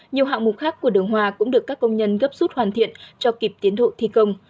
nhiều hạ mục khác của đường hoa cũng được các công nhân gấp suốt hoàn thiện cho kịp tiến thụ thi công